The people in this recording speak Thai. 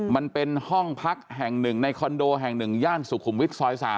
มันเป็นห้องพักแห่งหนึ่งในคอนโดแห่ง๑ย่านสุขุมวิทย์ซอย๓